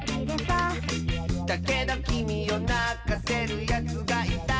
「だけどきみをなかせるやつがいたら」